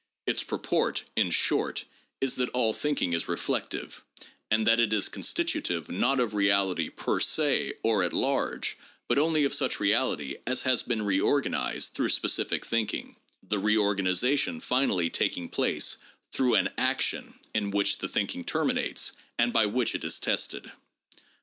Its purport, in short, is that all thinking is reflective, and that it is consti tutive not of reality per se or at large, but only of such reality as has been reorganized through specific thinking, the reorganization finally taking place through an action in which the thinking terminates and by which it is tested.